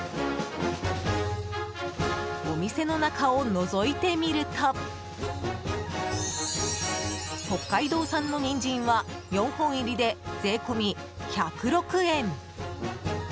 お店の中をのぞいてみると北海道産のニンジンは４本入りで税込１０６円。